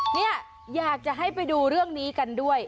เนี่ยอยากจะให้ไปดูเรื่องนี้กันด้วย